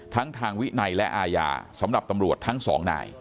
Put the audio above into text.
ทั้งทางวินัยและอาญาสำหรับตำรวจทั้งสองนาย